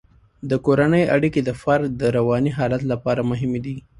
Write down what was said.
د کورنۍ اړیکې د فرد د رواني حالت لپاره مهمې دي.